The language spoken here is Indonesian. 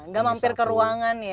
nggak mampir ke ruangan ya